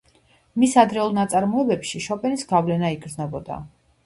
მის ადრეულ ნაწარმოებებში შოპენის გავლენა იგრძნობა.